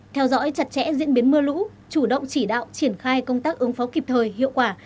theo dõi chặt chẽ diễn biến mưa lũ chủ động chỉ đạo triển khai công tác ứng phó kịp thời hiệu quả